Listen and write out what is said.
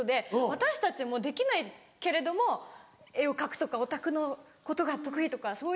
私たちもできないけれども絵を描くとかオタクのことが得意とかそういう。